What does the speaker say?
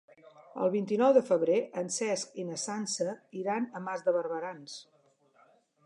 El vint-i-nou de febrer en Cesc i na Sança iran a Mas de Barberans.